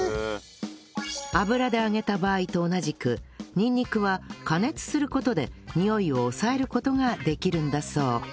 油で揚げた場合と同じくにんにくは加熱する事でにおいを抑える事ができるんだそう